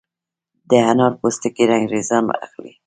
د انارو پوستکي رنګریزان اخلي؟